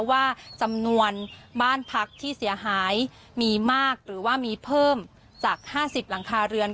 ว่าจำนวนบ้านพักที่เสียหายมีมากหรือว่ามีเพิ่มจาก๕๐หลังคาเรือน